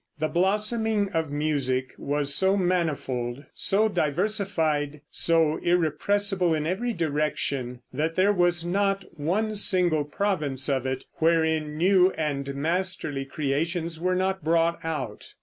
The blossoming of music was so manifold, so diversified, so irrepressible in every direction, that there was not one single province of it, wherein new and masterly creations were not brought out.